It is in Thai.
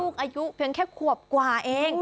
อายุเพียงแค่ขวบกว่าเอง